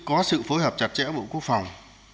có sự phối hợp chặt chẽ của bộ quốc phòng